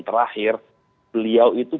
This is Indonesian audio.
terakhir beliau itu